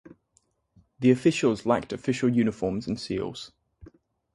The officials lacked official uniforms and seals.